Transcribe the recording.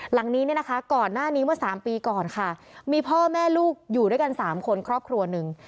หลังนี้เนี่ยนะคะก่อนหน้านี้เมื่อ๓ปีก่อนค่ะมีพ่อแม่ลูกอยู่ด้วยกัน๓คนครอบครัวหนึ่ง